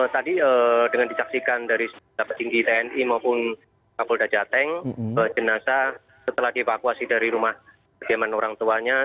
tadi dengan dicaksikan dari petinggi tni maupun pol dajateng jenazah setelah dievakuasi dari rumah kegiatan orang tuanya